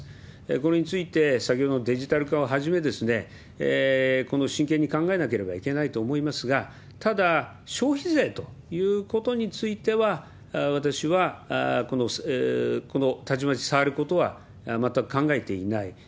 これについて、先ほどのデジタル化をはじめ、真剣に考えなければいけないと思いますが、ただ、消費税ということについては、私はたちまち触ることは全く考えていない。